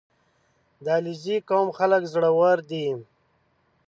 • د علیزي قوم خلک زړور دي.